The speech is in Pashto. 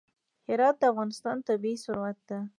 هرات د افغانستان طبعي ثروت دی.